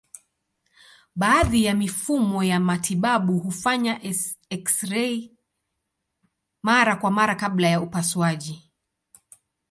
Baadhi ya mifumo ya matibabu hufanya eksirei mara kwa mara kabla ya upasuaji.